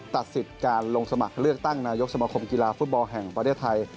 ตัดสิทธิ์การลงสมัครเลือกตั้งนายกสมคมกีฬาฟุตบอลแห่งประเทศไทย